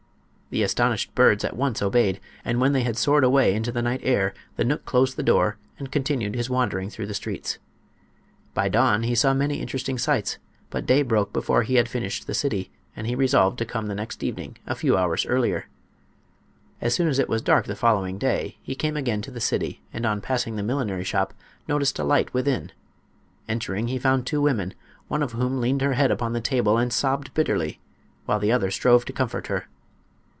The astonished birds at once obeyed, and when they had soared away into the night air the knook closed the door and continued his wandering through the streets. By dawn he saw many interesting sights, but day broke before he had finished the city, and he resolved to come the next evening a few hours earlier. As soon as it was dark the following day he came again to the city and on passing the millinery shop noticed a light within. Entering he found two women, one of whom leaned her head upon the table and sobbed bitterly, while the other strove to comfort her.